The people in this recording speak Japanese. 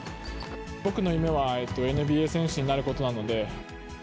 僕の夢はＮＢＡ選手になることなんで。